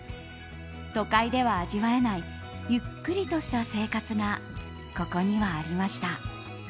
都会では味わえないゆっくりとした生活がここにはありました。